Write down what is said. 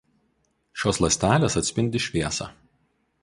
Šios ląstelės atspindi šviesą.